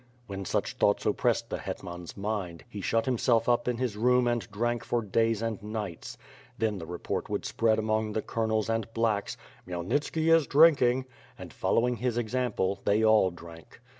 When such thoughts oppressed the hetman's mind, he shut himself up in his room and drank for days and nights. Then the report would spread among the colonels and '^blacks," "Khmyelnitski is drinking,'^ and, following his ex ample, they all drank.